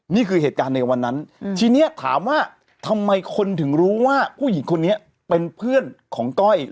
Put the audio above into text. นี่คือเหตุการณ์ในวันนั้นทีนี้ถามว่าทำไมคนถึงรู้ว่าผู้หญิงคนนี้เป็นเพื่อนของก้อย